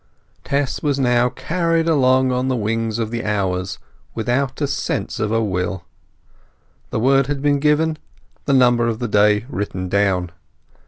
Tess was now carried along upon the wings of the hours, without the sense of a will. The word had been given; the number of the day written down.